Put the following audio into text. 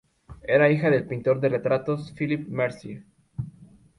Era hija del pintor de retratos Philippe Mercier.